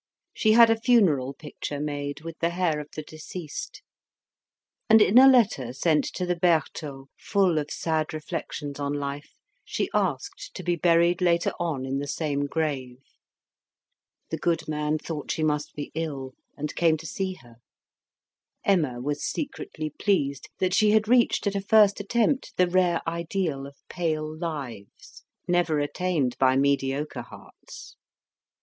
She had a funeral picture made with the hair of the deceased, and, in a letter sent to the Bertaux full of sad reflections on life, she asked to be buried later on in the same grave. The goodman thought she must be ill, and came to see her. Emma was secretly pleased that she had reached at a first attempt the rare ideal of pale lives, never attained by mediocre hearts.